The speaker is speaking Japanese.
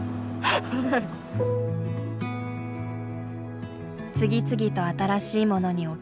次々と新しいものに置き換わる時代。